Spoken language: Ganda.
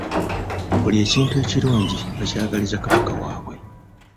Buli kintu ekirungi bakyagaliza Kabaka waabwe.